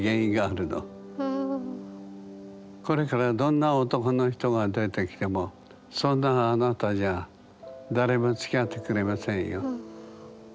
これからどんな男の人が出てきてもそんなあなたじゃ誰もつきあってくれませんよ。